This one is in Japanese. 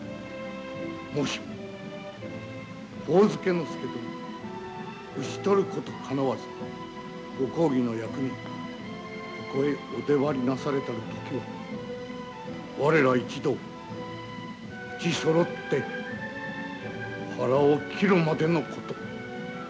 もしも上野介殿召し捕ることかなわずご公儀の役人ここへお出張りなされたる時は我ら一同うちそろって腹を切るまでのこと。